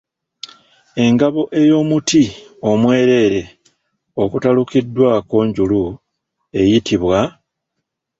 Engabo ey'omuti omwereere okutalukiddwako njulu eyitimbwa?